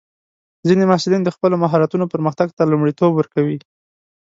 ځینې محصلین د خپلو مهارتونو پرمختګ ته لومړیتوب ورکوي.